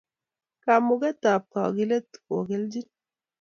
Kamuket ab kagilet kokelchin